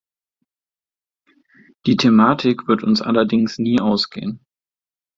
Die Thematik wird uns allerdings nie ausgehen.